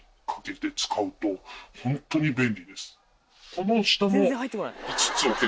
この下の。